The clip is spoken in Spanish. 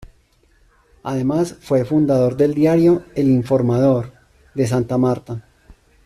Además, fue fundador del diario "El Informador" de Santa Marta.